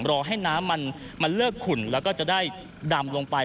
รอให้น้ำมันเลิกขุ่นแล้วก็จะได้ดำลงไป